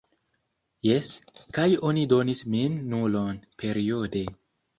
Jes, kaj oni donis min nulon periode